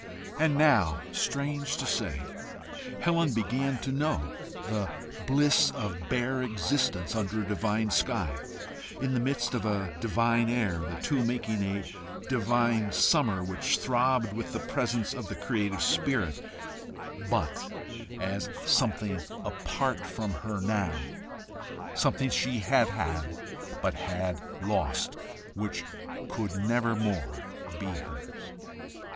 And now first, strange to say, Helen began to know the bliss of bare existence under a divine sky, in the midst of a divine air, the two making a divine summer, which throbbed with the presence of the creative spirit but as something apart from her now, something she had had, but had lost, which could never more be hers.